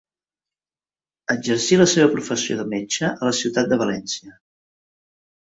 Exercí la seva professió de metge a la ciutat de València.